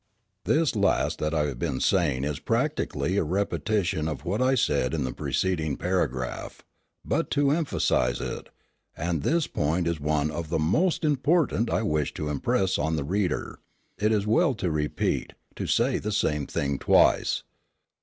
This last that I have been saying is practically a repetition of what I have said in the preceding paragraph; but, to emphasise it, and this point is one of the most important I wish to impress on the reader, it is well to repeat, to say the same thing twice.